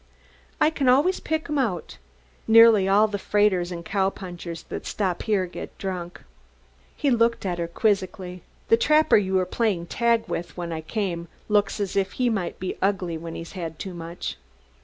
"I can always pick 'em out. Nearly all the freighters and cow punchers that stop here get drunk." He looked at her quizzically. "The trapper you were playing tag with when I came looks as if he might be ugly when he'd had too much."